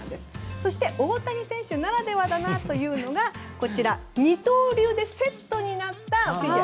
そして、大谷選手ならではだなというのがこちら、二刀流でセットになったフィギュア。